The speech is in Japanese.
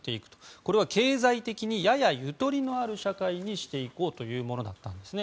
これは経済的にややゆとりのある社会にしていこうというものだったんですね。